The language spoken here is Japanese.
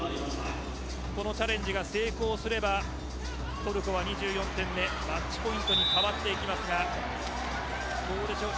このチャレンジが成功すればトルコは２４点目マッチポイントに変わっていきますがどうでしょうか。